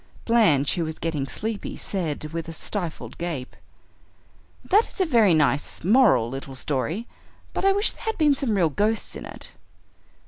Blanche, who was getting sleepy, said, with a stifled gape, "That is a very nice, moral little story, but I wish there had been some real ghosts in it."